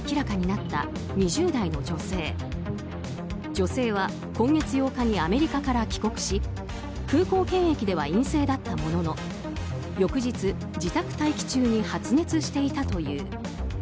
女性は今月８日にアメリカから帰国し空港検疫では陰性だったものの翌日、自宅待機中に発熱していたという。